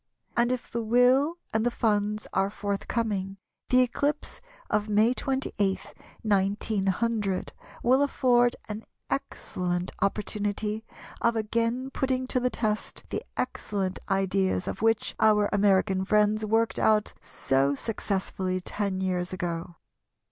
And if the will and the funds are forthcoming, the eclipse of May 28, 1900, will afford an excellent opportunity of again putting to the test the excellent ideas of which our American friends worked out so successfully ten years ago.